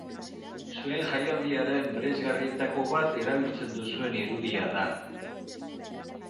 Zuen jaialdiaren bereizgarrietako bat erabiltzen duzuen irudia da.